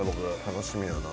楽しみやな。